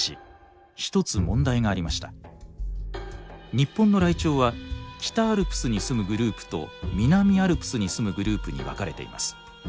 日本のライチョウは北アルプスにすむグループと南アルプスにすむグループに分かれています。